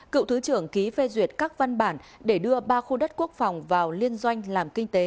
cựu thứ trưởng ký phê duyệt các văn bản để đưa ba khu đất quốc phòng vào liên doanh làm kinh tế